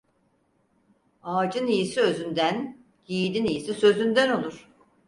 Ağacın iyisi özünden, yiğidin iyisi sözünden olur.